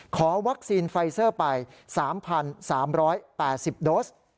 ขอวัคซีนไฟเซอร์ไป๓๓๘๐โดส